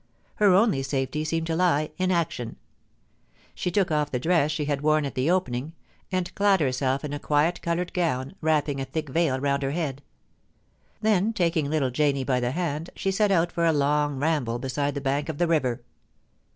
Her only safety seemed to lie in action. She took off the dress she had worn at the Opening, and clad herself in a quiet coloured gown, wrapping a thick veil round her head ; then, taking little Janie by the hand, she set out for a long ramble beside the bank of the river.